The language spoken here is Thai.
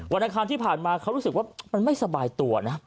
อังคารที่ผ่านมาเขารู้สึกว่ามันไม่สบายตัวนะ